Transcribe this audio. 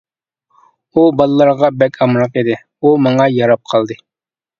ئۇ بالىلارغا بەك ئامراق ئىدى، ئۇ ماڭا ياراپ قالدى.